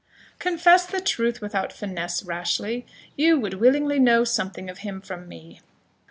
"Confess the truth without finesse, Rashleigh; you would willingly know something of him from me?"